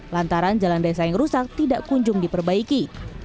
lantaran jalan desa yang rusak tidak kunjung diperbaiki